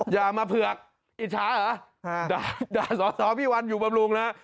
อย่ามาเผลือกอิชาหรอด่าสอพี่วันอยู่กับลุงนะฮะ